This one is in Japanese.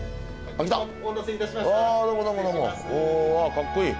かっこいい。